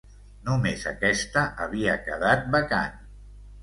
Només aquesta havia quedat vacant.